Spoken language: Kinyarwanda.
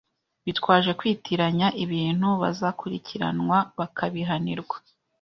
bitwaje kwitiranya ibintu bazakurikiranwa bakabihanirwa